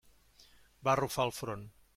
Va arrufar el front.